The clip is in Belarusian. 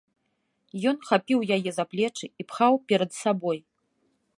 Ён хапіў яе за плечы і пхаў перад сабой.